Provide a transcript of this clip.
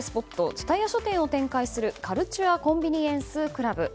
蔦屋書店を展開するカルチュア・コンビニエンス・クラブ。